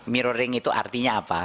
mirroring itu artinya apa